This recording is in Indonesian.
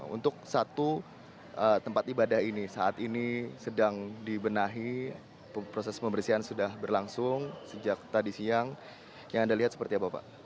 untuk satu tempat ibadah ini saat ini sedang dibenahi proses pembersihan sudah berlangsung sejak tadi siang yang anda lihat seperti apa pak